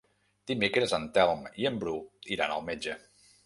Dimecres en Telm i en Bru iran al metge.